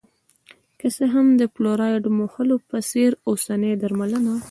که څه هم د فلورایډ موښلو په څېر اوسنۍ درملنه